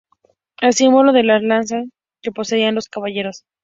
Es el símbolo de las lanzas que poseían los caballeros.